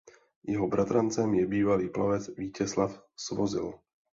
Jeho bratrancem je bývalý plavec Vítězslav Svozil.